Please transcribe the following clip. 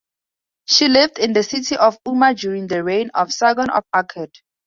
She lived in the city of Umma during the reign of Sargon of Akkad.